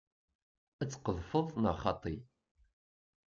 Ad tqedfeḍ neɣ xaṭi?